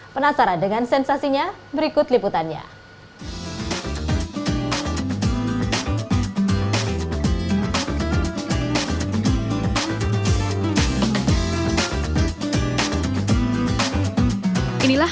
penasaran dengan sensasinya berikut liputannya